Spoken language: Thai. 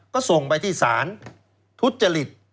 ก็ส่งไปที่ศาลทุจริต